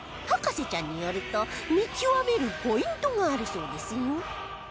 博士ちゃんによると見極めるポイントがあるそうですよ